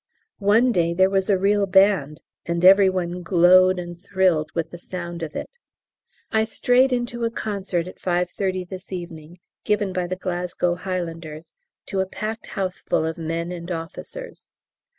One day there was a real band, and every one glowed and thrilled with the sound of it. I strayed into a concert at 5.30 this evening, given by the Glasgow Highlanders to a packed houseful of men and officers.